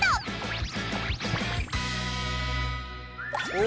お！